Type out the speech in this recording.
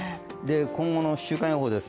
今後の週間予報です。